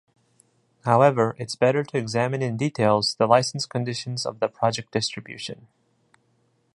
However, it’s better to examine in details the license conditions of the project distribution.